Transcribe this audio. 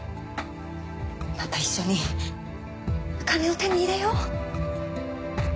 また一緒に金を手に入れよう！